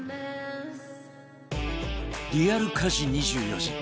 リアル家事２４時